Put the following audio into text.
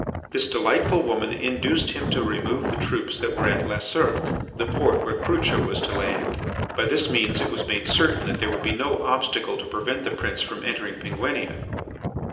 This delightful woman induced him to remove the troops that were at La Cirque, the port where Crucho was to land. By this means it was made certain that there would be no obstacle to prevent the prince from entering Penguinia.